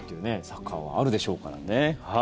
サッカーはあるでしょうからね。